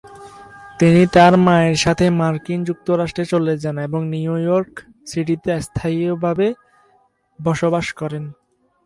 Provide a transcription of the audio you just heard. তিনি তার মায়ের সাথে মার্কিন যুক্তরাষ্ট্রে চলে যান এবং নিউ ইয়র্ক সিটিতে স্থায়ীভাবে বসবাস করেন।